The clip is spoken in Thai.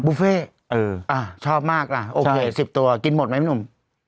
เฟ่อชอบมากล่ะโอเค๑๐ตัวกินหมดไหมพี่หนุ่ม